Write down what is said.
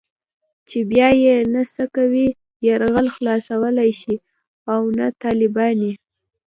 چې بيا يې نه سقوي يرغل خلاصولای شي او نه طالباني.